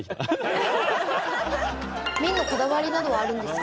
麺のこだわりなどはあるんですか？